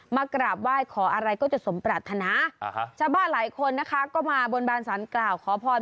มากราบไหว้ขออะไรก็จะสมปรารถนาชาวบ้านหลายคนนะคะก็มาบนบานสารกล่าวขอพร